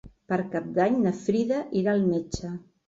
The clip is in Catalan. Per Cap d'Any na Frida irà al metge.